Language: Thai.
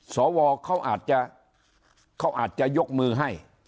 สอวอเขาอาจจะยกมือให้